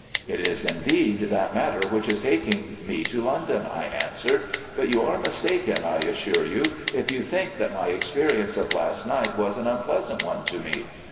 "It is, indeed, that matter which is taking me to London," I answered; "but you are mistaken, I assure you, if you think that my experience of last night was an unpleasant one to me.